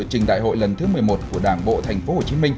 trình đại hội lần thứ một mươi một của đảng bộ tp hcm